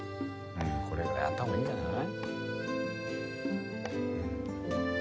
これぐらいあった方がいいんじゃない？